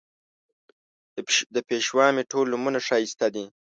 د پېشوا مې ټول نومونه ښایسته دي